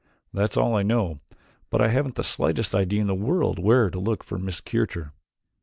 That's all I know, but I haven't the slightest idea in the world where to look for Miss Kircher."